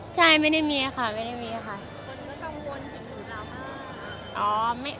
ใช่ไม่ได้มีค่ะไม่ได้มีค่ะ